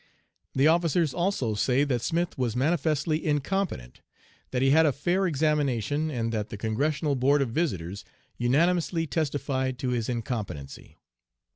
The officers also say that Smith was manifestly incompetent, that he had a fair examination, and that the Congressional Board of Visitors unanimously testified to his incompetency.'